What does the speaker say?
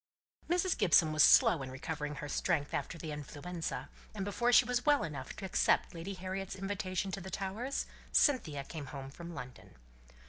Mrs. Gibson was slow in recovering her strength after the influenza, and before she was well enough to accept Lady Harriet's invitation to the Towers, Cynthia came home from London.